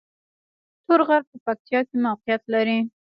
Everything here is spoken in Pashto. تور غر په پکتیا کې موقعیت لري